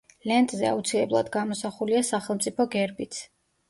ლენტზე აუცილებლად გამოსახულია სახელმწიფო გერბიც.